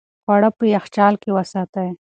خواړه په یخچال کې وساتئ.